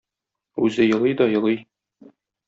Үзе елый да елый.